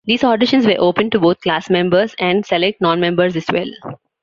These auditions were open to both class members and select non-members as well.